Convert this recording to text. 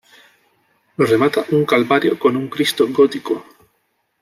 Lo remata un calvario, con un cristo gótico.